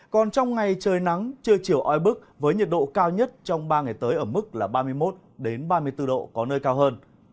còn trong ngày trời nắng chưa chiều oi bức với nhiệt độ cao nhất trong ba ngày tới ở mức ba mươi một ba mươi bốn độ có nơi cao hơn